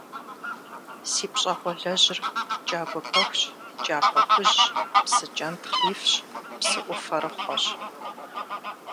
Си пщӏэгъуалэжьыр кӏагуэ пэхущ, кӏапэ хужьщ, псы кӏэнтхъ ифщ, псыӏуфэрыхъуэщ.